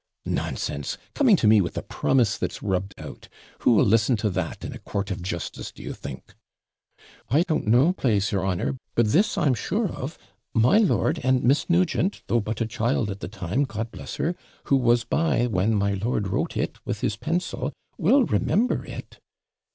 'Nonsense! coming to me with a promise that's rubbed out. Who'll listen to that in a court of justice, do you think?' 'I don't know, plase your honour; but this I'm sure of, my lord and Miss Nugent, though but a child at the time, God bless her! who was by when my lord wrote it with his pencil, will remember it.'